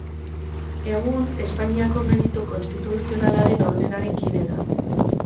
Egun, Espainiako Meritu Konstituzionalaren Ordenaren kide da.